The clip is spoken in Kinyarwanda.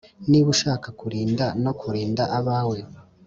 niba ushaka kwirinda no kurinda abawe